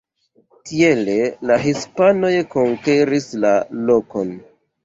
Tiele la hispanoj konkeris la lokon.